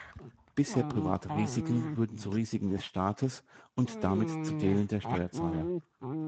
Bisher private Risiken würden zu Risiken des Staates und damit zu denen der Steuerzahler.